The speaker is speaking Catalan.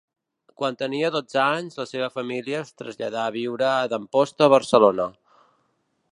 Quan tenia dotze anys, la seva família es traslladà a viure d'Amposta a Barcelona.